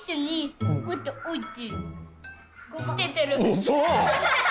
うそ。